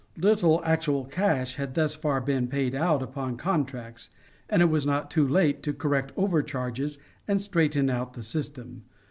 Little actual cash had thus far been paid out upon contracts, and it was not too late to correct overcharges and straighten out the system.